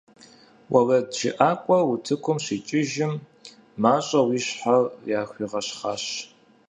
УэрэджыӀакӀуэр утыкум щикӏыжым, мащӀэу и щхьэр яхуигъэщхъащ.